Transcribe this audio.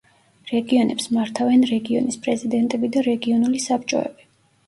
რეგიონებს მართავენ რეგიონის პრეზიდენტები და რეგიონული საბჭოები.